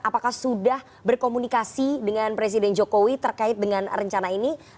apakah sudah berkomunikasi dengan presiden jokowi terkait dengan rencana ini